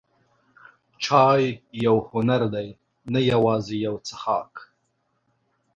چای یو هنر دی، نه یوازې یو څښاک.